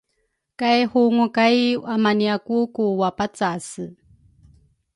kay hungu kay amaniaku ka wapacase.